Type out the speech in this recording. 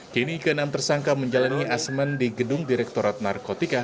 kini keenam tersangka menjalani asemen di gedung direktorat narkotika